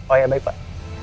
oh ya baik pak